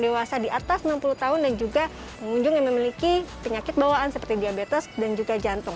dewasa di atas enam puluh tahun dan juga pengunjung yang memiliki penyakit bawaan seperti diabetes dan juga jantung